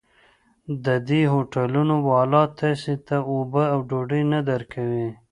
د دې هوټلونو والا تاسې ته اوبه او ډوډۍ نه درکوي.